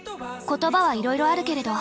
言葉はいろいろあるけれど。